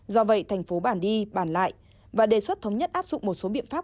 do vậy thành phố bản đi bàn lại và đề xuất thống nhất áp dụng một số biện pháp